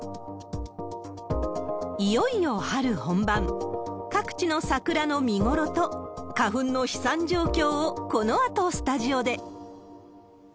いよいよ春本番、各地の桜の見頃と、花粉の飛散状況をこのあとスタジオで。